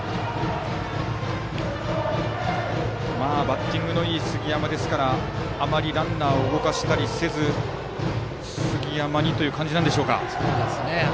バッティングのいい杉山なのであまりランナーを動かしたりせず杉山にという感じなんでしょうか。